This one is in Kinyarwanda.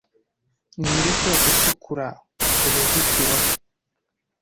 ninde soko itukura k uruzitiro